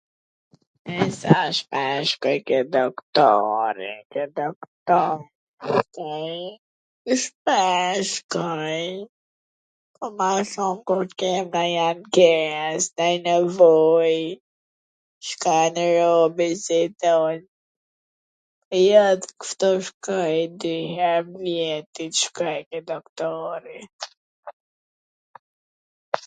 Sa shpesh shkoj ke doktori? Te doktori shpesh shkoj, po ma shum kur t kem ndonj ankes, ndonj nevoj, shkon robi si tont, ja kshtu shkoj dy her n vjetit shkoj te doktori